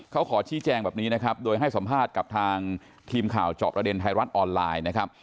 เขาขอชี้แจงแบบนี้นะครับโดยให้สัมภาษณ์กับทางทีมข่าวเจาะประเด็นไทยรัฐออนไลน์นะครับ